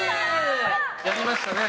やりましたね。